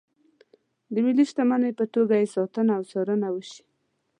د ملي شتمنۍ په توګه یې ساتنه او څارنه وشي.